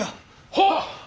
はっ！